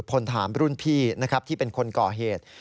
พลถามรุ่นพี่นะครับที่เป็นคนก่อเหตุ